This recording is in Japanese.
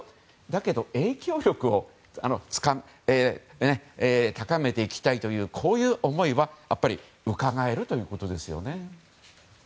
だけど影響力を高めていきたいというこういう思いはうかがえるということですよね。